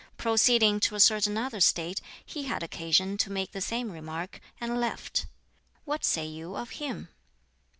Proceeding to a certain other State, he had occasion to make the same remark, and left. What say you of him?"